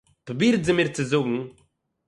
פּרובירט זי מיר צו זאָגן